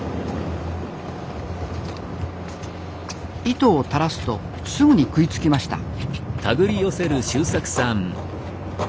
糸を垂らすとすぐに食いつきました。